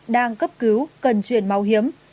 đang cấp cứu cần truyền máu hiếm